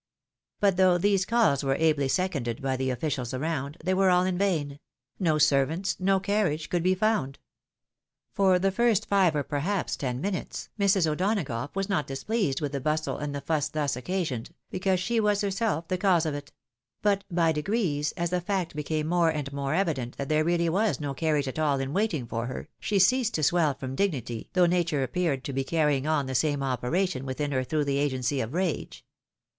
But though these calls were ably seconded by the officials around, they were all in vain ; no servants, no carriage could be found. For the first five or perhaps ten minutes, Mrs. O'Donagough was not displeased with the bustle and the fuss thus occasioned, because she was herself the cause of it ; but, by degrees, as the fact became more and more evident that there really was no carriage at all in waiting for her, she ceased to swell from dignity, though nature appeared to be carrying on the same operation within her through the agency of rage.